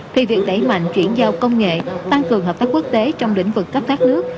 thì việc đẩy mạnh chuyển giao công nghệ tăng cường hợp tác quốc tế trong lĩnh vực cấp các nước